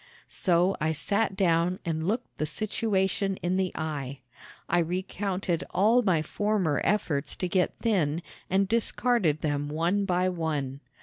So I sat down and looked the situation in the eye. I recounted all my former efforts to get thin and discarded them one by one.